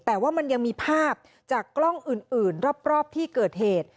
แต่ว่ามันยังมีภาพจากกล้องอื่นรอบที่เกิดเหตุ